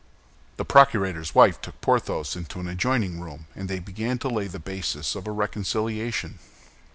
The procurator's wife took Porthos into an adjoining room, and they began to lay the basis of a reconciliation.